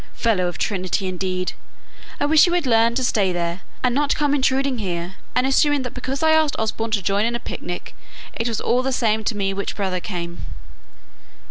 Fellow of Trinity, indeed! I wish he would learn to stay there, and not come intruding here, and assuming that because I asked Osborne to join in a picnic it was all the same to me which brother came."